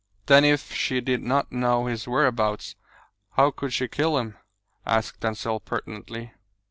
"Then if she did not know his whereabouts, how could she kill him?" asked Denzil pertinently.